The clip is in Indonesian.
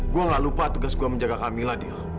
gue gak lupa tugas gue menjaga camilla dil